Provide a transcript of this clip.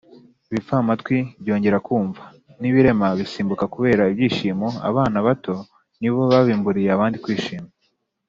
ibipfamatwi byongera kumva, n’ibirema bisimbuka kubera ibyishimo abana bato nibo babimburiye abandi kwishima